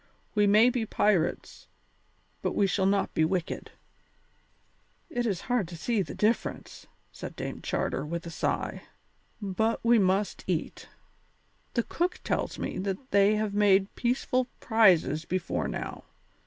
We may be pirates, but we shall not be wicked." "It is hard to see the difference," said Dame Charter, with a sigh, "but we must eat. The cook tells me that they have made peaceful prizes before now.